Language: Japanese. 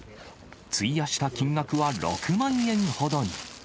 費やした金額は６万円ほどに。